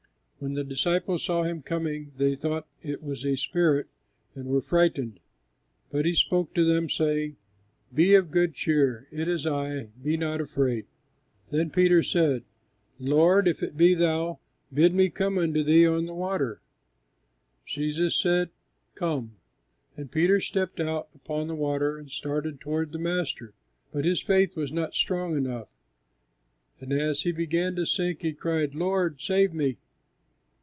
When the disciples saw Him coming they thought it was a spirit and were frightened: but He spoke to them, saying, "Be of good cheer; it is I, be not afraid." [Illustration: JESUS WALKING UPON THE WATERS.] Then Peter said: "Lord, if it be Thou, bid me come unto Thee on the water." Jesus said, "Come," and Peter stepped out upon the water and started toward the Master; but his faith was not strong enough, and as he began to sink he cried, "Lord, save me!"